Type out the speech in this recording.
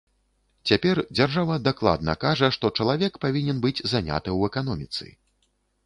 Цяпер дзяржава дакладна кажа, што чалавек павінен быць заняты ў эканоміцы.